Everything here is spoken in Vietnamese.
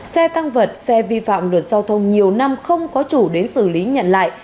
xe tăng vật xe vi phạm luật giao thông nhiều năm không có chủ đến xử lý nhận lại